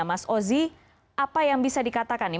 mas ozi apa yang bisa dikatakan nih